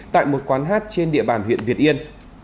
tại một quán hát trên địa bàn huyện việt yên